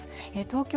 東京